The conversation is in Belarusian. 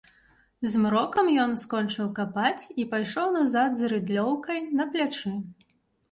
Змрокам ён скончыў капаць і пайшоў назад з рыдлёўкай на плячы.